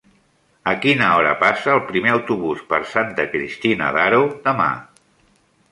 A quina hora passa el primer autobús per Santa Cristina d'Aro demà?